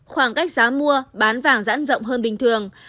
khoảng cách giá mua bán vàng giãn rộng hơn bình thường